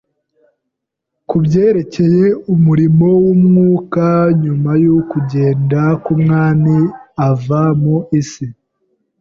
ku byerekeye umurimo w'Umwuka nyuma yo kugenda kw'Umwami ava mu isi